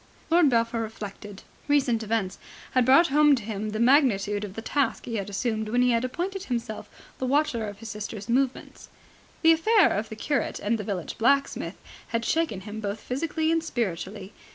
Lord Belpher reflected. Recent events had brought home to him the magnitude of the task he had assumed when he had appointed himself the watcher of his sister's movements. The affair of the curate and the village blacksmith had shaken him both physically and spiritually.